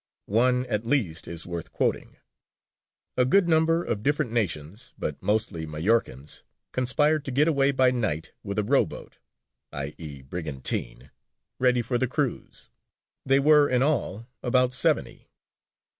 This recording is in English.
One at least is worth quoting: "A good number, of different nations, but mostly Majorcans, conspired to get away by night with a row boat [i.e., brigantine] ready for the cruise: they were in all about seventy.